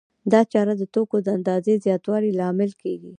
دا چاره د توکو د اندازې د زیاتوالي لامل کېږي